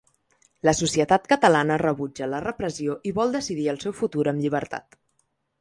La societat catalana rebutja la repressió i vol decidir el seu futur amb llibertat.